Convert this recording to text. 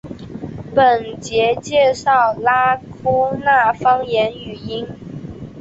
本节介绍拉祜纳方言语音。